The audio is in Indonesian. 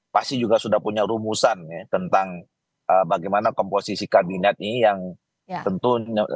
pasti juga sudah punya rumusan ya tentang bagaimana komposisi kabinet ini yang tentu